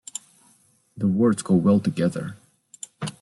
The words go well together.